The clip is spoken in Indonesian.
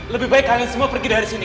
lebih baik kalian semua pergi dari sini